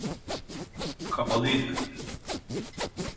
Kapalıydı.